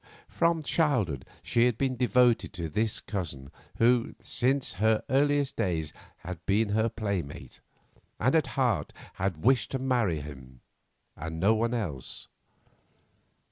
From her childhood she had been devoted to this cousin, who, since her earliest days, had been her playmate, and at heart had wished to marry him, and no one else.